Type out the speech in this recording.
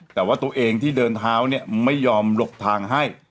แต่ว่าตัวเองที่เดินเท้าเนี่ยไม่ยอมหลบทางให้